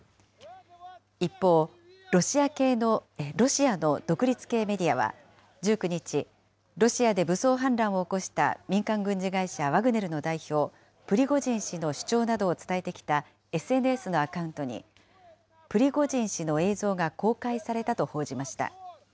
一方、ロシアの独立系メディアは１９日、ロシアで武装反乱を起こした民間軍事会社、ワグネルの代表、プリゴジン氏の主張などを伝えてきたＳＮＳのアカウントに、プリゴジン氏の映像が公開されたと報じました。